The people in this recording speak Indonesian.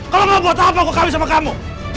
kalau mau buat apa aku kaget sama kamu